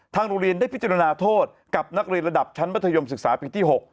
โรงเรียนได้พิจารณาโทษกับนักเรียนระดับชั้นมัธยมศึกษาปีที่๖